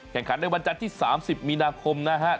แข่งขันในวันจันทร์ที่๓๐มีนาคมนะฮะ